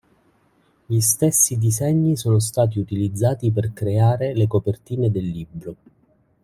Gli stessi disegni sono stati utilizzati per creare le copertine del libro.